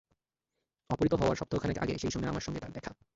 অপহৃত হওয়ার সপ্তাহ খানেক আগে সেই সময়ে আমার সঙ্গে তার দেখা।